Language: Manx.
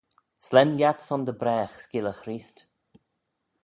Slane lhiat son dy bragh Skylley Chreest.